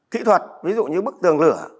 kỹ thuật ví dụ như bức tường lửa